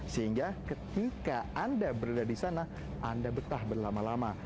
sehingga ketika anda berada di sana anda betah berlama lama